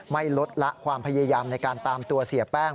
ไม่ลดละความพยายามในการตามตัวเสียแป้ง